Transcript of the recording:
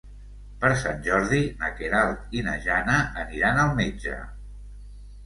Per Sant Jordi na Queralt i na Jana aniran al metge.